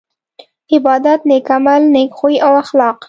عبادت نيک عمل نيک خوي او اخلاق